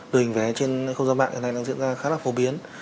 đội hình vé trên không gian mạng hiện nay đang diễn ra khá là phổ biến